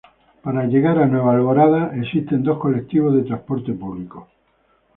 Para llegar a Nueva Alborada existen dos Colectivos de Transporte Público.